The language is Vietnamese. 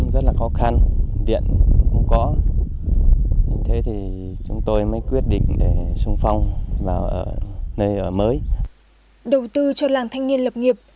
đầu tư cho làng thanh niên lập nghiệp